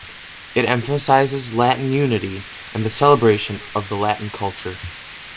It emphasizes Latin unity and the celebration of the Latin culture.